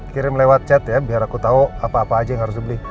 kirim lewat chat ya biar aku tahu apa apa aja yang harus dibeli